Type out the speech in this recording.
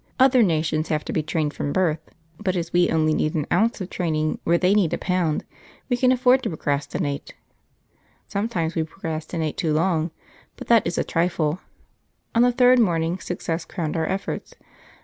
Other nations have to be trained from birth; but as we need only an ounce of training where they need a pound, we can afford to procrastinate. Sometimes we procrastinate too long, but that is a trifle. On the third morning success crowned our efforts.